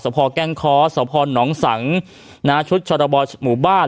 สวพร่แก้งคคสวพรหนองสังศ์ชุดชรบวนหมู่บ้าน